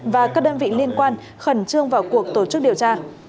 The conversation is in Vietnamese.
và các đơn vị liên quan khẩn trương vào cuộc tổ chức điều tra